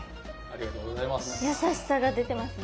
ありがとうございます。